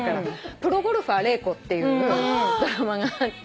『プロゴルファー祈子』っていうドラマがあって。